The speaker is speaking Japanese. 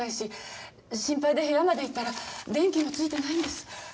心配で部屋まで行ったら電気もついてないんです。